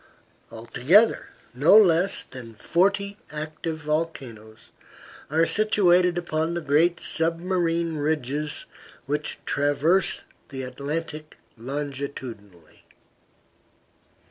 Altogether, no less than forty active volcanoes are situated upon the great submarine ridges which traverse the Atlantic longitudinally.